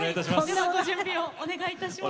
歌の準備をお願いいたします。